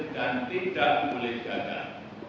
dan tidak diboleh jadikan